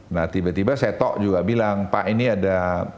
nah tiba tiba saya tok juga bilang pak ini ada